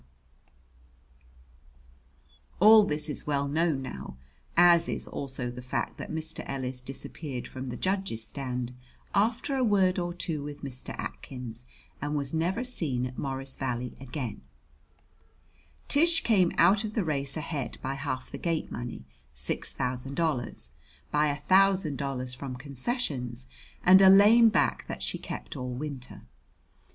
[Illustration: Without cutting down her speed, bumped home the winner] All this is well known now, as is also the fact that Mr. Ellis disappeared from the judges' stand after a word or two with Mr. Atkins, and was never seen at Morris Valley again. Tish came out of the race ahead by half the gate money six thousand dollars by a thousand dollars from concessions, and a lame back that she kept all winter.